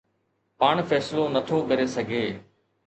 پاڻ فيصلو نه ٿو ڪري سگهي.